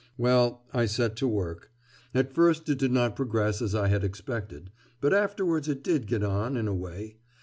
Well, I set to work. At first it did not progress as I had expected; but afterwards it did get on in a way.